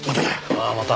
ああまた。